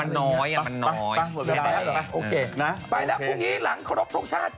มันน้อยค่ะมันน้อยไม่ได้ไปแล้วพรุ่งนี้หลังครบโทษชาติ